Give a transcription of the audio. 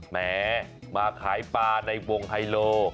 แหมมาขายปลาในวงไฮโล